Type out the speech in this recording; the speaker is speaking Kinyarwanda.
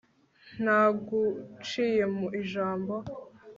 nta guciye mu ijambo